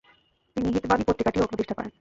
তিনি হিতবাদী পত্রিকাটিও প্রতিষ্ঠা করেন।